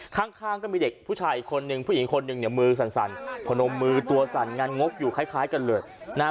ข้างก็มีเด็กผู้ชายอีกคนนึงผู้หญิงคนหนึ่งเนี่ยมือสั่นพนมมือตัวสั่นงานงกอยู่คล้ายกันเลยนะฮะ